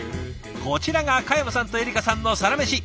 こちらが嘉山さんとエリカさんのサラメシ。